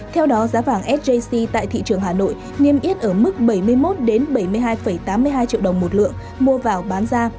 theo đó giá vàng sjc tại thị trường hà nội niêm yết ở mức bảy mươi một bảy mươi hai tám mươi hai triệu đồng một lượng mua vào bán ra